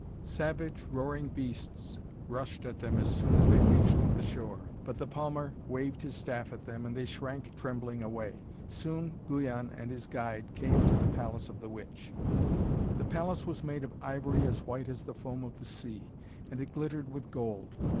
Savage, roaring beasts rushed at them as soon as they reached the shore. But the palmer waved his staff at them, and they shrank trembling away. Soon Guyon and his guide came to the palace of the witch. The palace was made of ivory as white as the foam of the sea, and it glittered with gold.